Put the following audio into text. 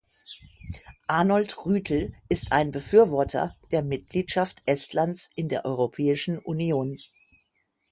Arnold Rüütel ist ein Befürworter der Mitgliedschaft Estlands in der Europäischen Union.